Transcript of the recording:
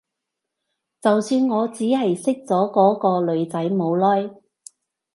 就算我只係識咗嗰個女仔冇耐